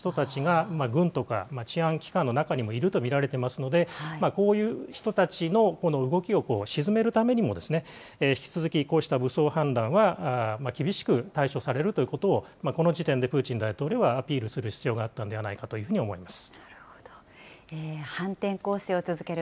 特にこの政権内部でもワグネルシンパと見られるような人たちが軍とか治安機関の中にもいると見られていますので、こういう人たちの動きをしずめるためにも引き続きこうした武装反乱は厳しく対処されるということをこの時点でプーチン大統領はアピールする必要があったんではないかと思われます。